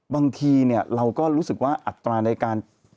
บางทีเราก็รู้สึกว่าอัตราในการ